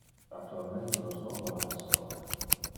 Actualmente nos non lo ha in stock.